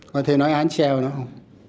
có thể nói án treo nữa không